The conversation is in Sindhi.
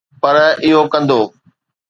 پر اهو ڪندو.